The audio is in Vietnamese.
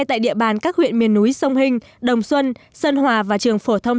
tại ba huyện miền núi sông hình sơn hòa và đồng xuân